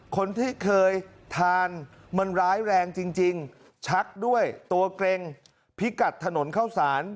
คนที่เคยทานมันร้ายแรงจริงชักด้วยตัวเกร็งพิกัดถนนเข้าสาร